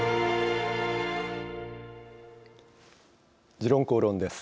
「時論公論」です。